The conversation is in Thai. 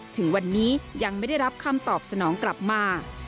ถึงวันนี้ยังไม่ได้รับคำตอบสนองกลับมา